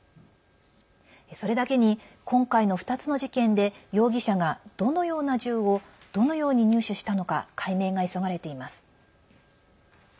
それだけに今回の２つの事件で容疑者がどのような銃をどのように入手したのか解明が急がれています。